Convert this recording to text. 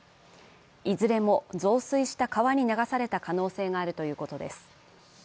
いずれも増水した川に流れた可能性があるということです。